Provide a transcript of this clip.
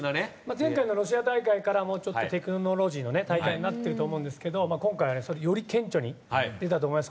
前回のロシア大会からもちょっとテクノロジーの大会になってると思うんですが今回はそれがより顕著に出たと思います。